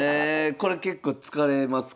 これ結構使われますか？